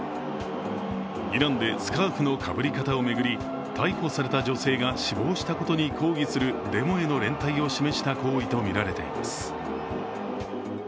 イランでスカーフのかぶり方を巡り逮捕された女性が死亡したことに抗議するデモへの連帯を示した行為とみられています。